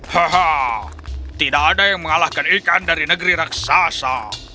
haha tidak ada yang mengalahkan ikan dari negeri raksasa